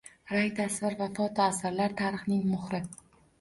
Rang-tasvir va foto asarlar — tarixning muhri